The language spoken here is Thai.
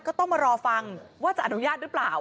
ก็ต้องมารอฟังว่าจะอนุญาตหรือเปล่า